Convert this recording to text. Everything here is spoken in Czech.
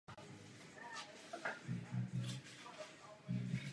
Název města byl později zkrácen jen na "Denver".